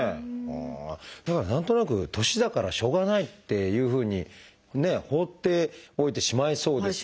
だから何となく年だからしょうがないっていうふうにね放っておいてしまいそうですけれども。